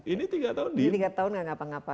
ini tiga tahun deep